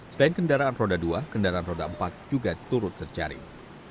selain kendaraan roda dua kendaraan roda empat juga turut terjaring